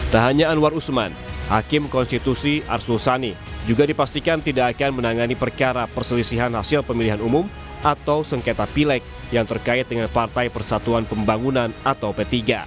tak hanya anwar usman hakim konstitusi arsul sani juga dipastikan tidak akan menangani perkara perselisihan hasil pemilihan umum atau sengketa pilek yang terkait dengan partai persatuan pembangunan atau p tiga